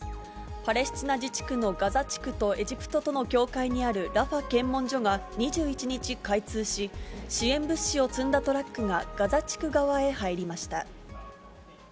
パレスチナ自治区のガザ地区とエジプトとの境界にあるラファ検問所が２１日、開通し、支援物資を積んだトラックが、ガザ地区側へ入りました。